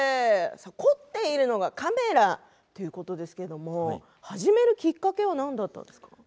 凝っているのがカメラということですけれども始めるきっかけは何だったんですか。